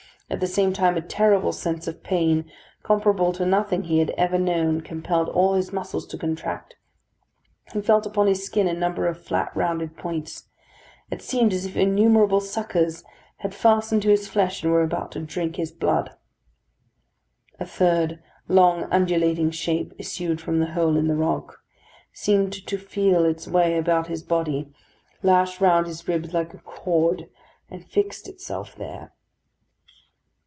At the same time a terrible sense of pain, comparable to nothing he had ever known, compelled all his muscles to contract. He felt upon his skin a number of flat rounded points. It seemed as if innumerable suckers had fastened to his flesh and were about to drink his blood. A third long undulating shape issued from the hole in the rock; seemed to feel its way about his body; lashed round his ribs like a cord, and fixed itself there.